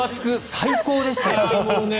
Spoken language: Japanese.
最高でした。